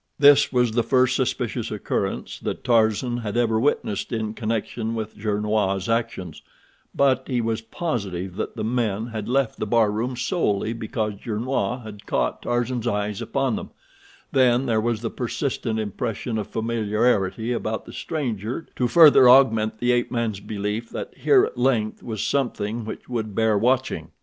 This was the first suspicious occurrence that Tarzan had ever witnessed in connection with Gernois' actions, but he was positive that the men had left the barroom solely because Gernois had caught Tarzan's eyes upon them; then there was the persistent impression of familiarity about the stranger to further augment the ape man's belief that here at length was something which would bear watching.